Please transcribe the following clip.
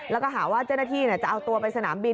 แล้วก็หาว่าเจ้าหน้าที่จะเอาตัวไปสนามบิน